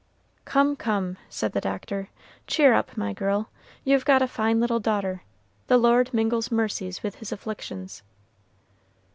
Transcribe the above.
"Come, come!" said the doctor, "cheer up, my girl, you've got a fine little daughter, the Lord mingles mercies with his afflictions."